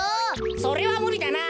それはむりだな。